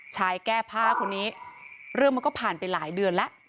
แก้ผ้าคนนี้เรื่องมันก็ผ่านไปหลายเดือนแล้ว